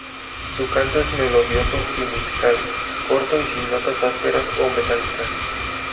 Su canto es melodioso y musical, corto, y sin notas ásperas o metálicas.